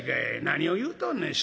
何を言うとんねん。